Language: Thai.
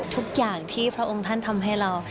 ทุกอย่างที่พระองค์ท่านทำให้เรา